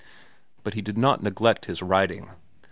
But he did not neglect his writing.